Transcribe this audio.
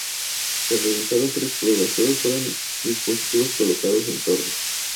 Se realizaron tres pruebas, todas fueron dispositivos colocados en torres.